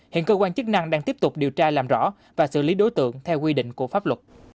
hiện cơ quan chức năng đang tiếp tục điều tra làm rõ và xử lý đối tượng theo quy định của pháp luật